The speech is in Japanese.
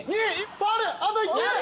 ファウルあと１球！